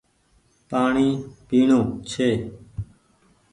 پآڻيٚ پيڻو ڇي